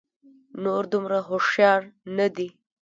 نور دومره هوښيار نه دي